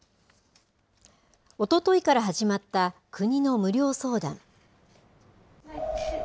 おとといから始まった国の無料相談。